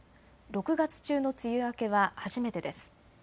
６月中の梅雨明けは初めてです。